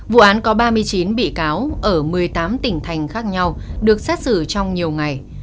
vụ án có ba mươi chín bị cáo ở một mươi tám tỉnh thành khác nhau được xét xử trong nhiều ngày